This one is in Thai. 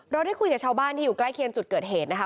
ได้คุยกับชาวบ้านที่อยู่ใกล้เคียงจุดเกิดเหตุนะคะ